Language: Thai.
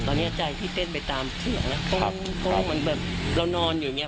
ตอนนี้ใจพี่เต้นไปตามเสียงแล้วโป้งมันแบบเรานอนอยู่ไง